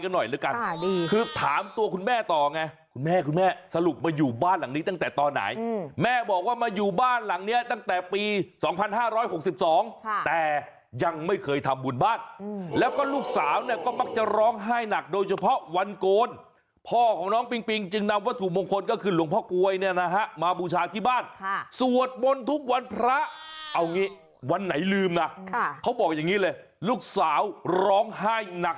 หน่อยละกันคือถามตัวคุณแม่ต่อไงคุณแม่คุณแม่สรุปมาอยู่บ้านหลังนี้ตั้งแต่ตอนไหนแม่บอกว่ามาอยู่บ้านหลังเนี้ยตั้งแต่ปีสองพันห้าร้อยหกสิบสองแต่ยังไม่เคยทำบุญบ้านแล้วก็ลูกสาวก็มักจะร้องไห้หนักโดยเฉพาะวันโกนพ่อของน้องปิงปิงจึงนำว่าถูกมงคลก็คือหลวงพ่อก๊วยเนี่ยนะฮะ